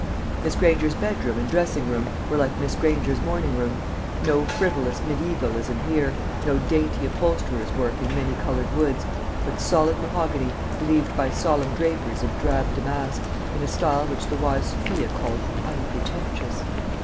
Miss Granger's bedroom and dressing room were like Miss Granger's morning room. No frivolous mediaevalism here, no dainty upholsterer's work in many coloured woods, but solid mahogany, relieved by solemn draperies of drab damask, in a style which the wise Sophia called unpretentious.